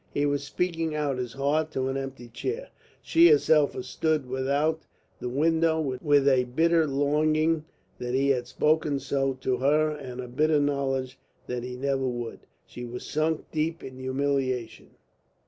He was speaking out his heart to an empty chair. She herself had stood without the window with a bitter longing that he had spoken so to her and a bitter knowledge that he never would. She was sunk deep in humiliation.